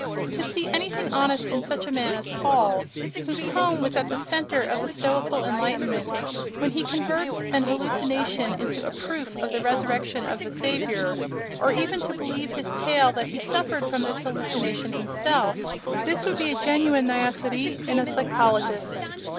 To see anything honest in such a man as Paul, whose home was at the centre of the Stoical enlightenment, when he converts an hallucination into a proof of the resurrection of the Saviour, or even to believe his tale that he suffered from this hallucination himself—this would be a genuine niaiserie in a psychologist.